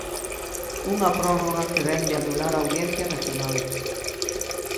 Unha prórroga que vén de anular a Audiencia Nacional.